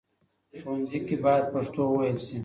ښوونځي کې بايد پښتو وويل شي.